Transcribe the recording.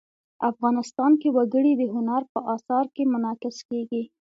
افغانستان کې وګړي د هنر په اثار کې منعکس کېږي.